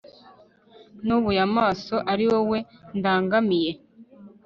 nubuye amaso ari wowe ndangamiye